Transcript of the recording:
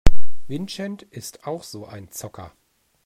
Vincent ist auch so ein Zocker.